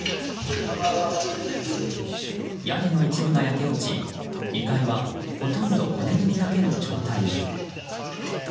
屋根の一部が焼け落ち２階はほとんど骨組みだけの状態に。